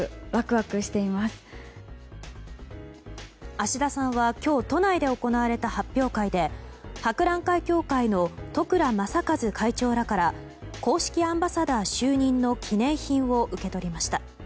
芦田さんは今日都内で行われた発表会で博覧会協会の十倉雅和会長らから公式アンバサダー就任の記念品を受け取りました。